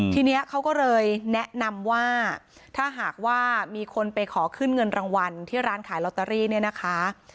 ทีนี้เขาก็เลยแนะนำว่าถ้าหากว่ามีคนไปขอขึ้นเงินรางวัลที่ร้านขายลอตเตอรี่เนี่ยนะคะ